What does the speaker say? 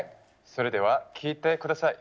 それでは聴いてください。